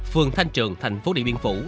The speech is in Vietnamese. phường thanh trường thành phố điện biên phủ